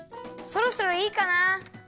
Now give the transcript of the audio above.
そろそろいいかな。